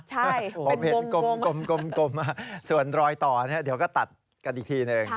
ใช่ผมเห็นกลมส่วนรอยต่อเดี๋ยวก็ตัดกันอีกทีหนึ่ง